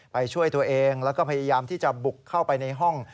ช่วยตัวเองแล้วก็พยายามที่จะบุกเข้าไปในห้อง